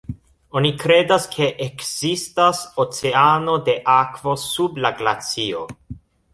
Oni kredas ke ekzistas oceano de akvo sub la glacio.